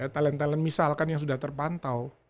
talent talent misalkan yang sudah terpantau